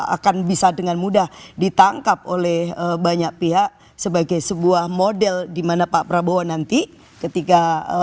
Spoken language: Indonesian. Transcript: akan bisa dengan mudah ditangkap oleh banyak pihak sebagai sebuah model dimana pak prabowo nanti ketika